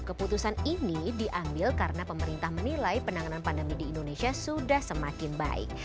keputusan ini diambil karena pemerintah menilai penanganan pandemi di indonesia sudah semakin baik